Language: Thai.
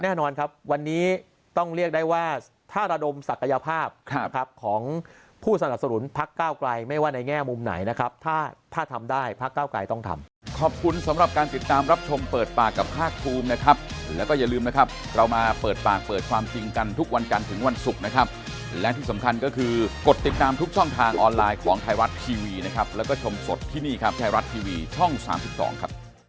แน่นอนครับวันนี้ต้องเรียกได้ว่าธารดมศักยภาพของผู้สนับสนุนพักก้าวกลายไม่ว่าในแง่มุมไหนนะครับถ้าทำได้พักก้าวกลายต้องทำ